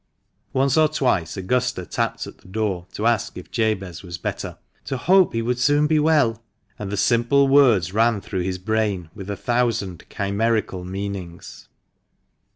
Once or twice Augusta tapped at the door, to ask if Jabez was better, and to "hope he would soon be well," and the simple words ran through his brain with a thousand chimerical meanings.